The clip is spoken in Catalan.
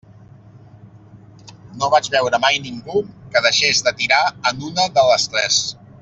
No vaig veure mai ningú que deixés de tirar en una de les tres.